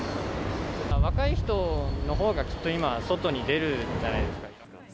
若い人のほうがきっと今、外に出るじゃないですか。